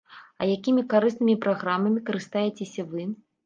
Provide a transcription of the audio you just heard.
А якімі карыснымі праграмамі карыстаецеся вы?